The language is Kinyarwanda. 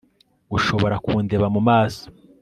gushobora kundeba mu maso